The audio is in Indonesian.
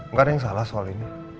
nggak ada yang salah soal ini